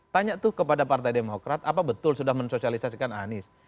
tanya tuh kepada partai demokrat apa betul sudah mensosialisasikan anies